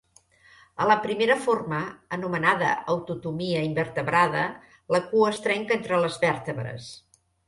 A la primera forma, anomenada autotomia invertebrada, la cua es trenca entre les vèrtebres.